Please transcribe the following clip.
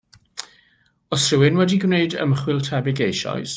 'S rhywun wedi gwneud ymchwil tebyg eisoes?